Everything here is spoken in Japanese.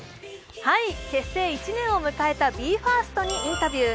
結成１年を迎えたＢＥ：ＦＩＲＳＴにインタビュー。